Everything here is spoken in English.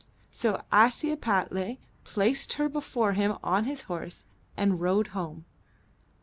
So Ashiepattle placed her before him on his horse and rode home.